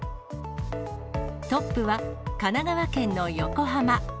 トップは神奈川県の横浜。